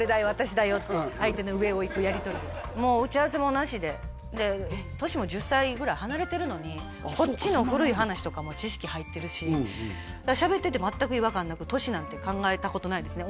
男女のもう打ち合わせもなしで年も１０歳ぐらい離れてるのにこっちの古い話とかも知識入ってるししゃべってて全く違和感なく年なんて考えたことないですね